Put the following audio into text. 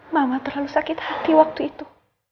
mama terlalu sakit hati waktu itu